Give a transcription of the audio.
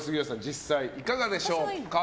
実際はいかがでしょうか。